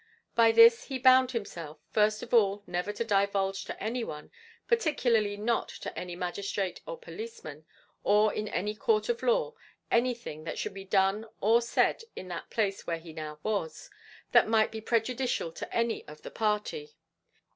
By this he bound himself, first of all, never to divulge to any one, particularly not to any magistrate or policeman, or in any court of law, anything that should be done or said in that place where he now was, that might be prejudicial to any of the party.